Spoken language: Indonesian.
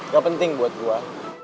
ga penting buat gua